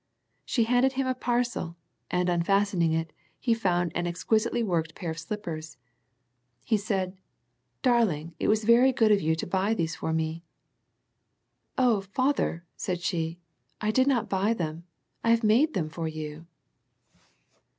She handed him a parcel, and unfastening it he found an exquisitely worked pair of slippers. He said " Darling, it was very good of you to buy these for me." " Oh, Father," said she, " I did not buy them. I have made them for you."